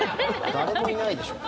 誰もいないでしょう。